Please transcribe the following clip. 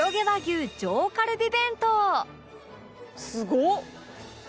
「すごっ！」